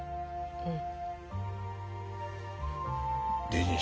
うん。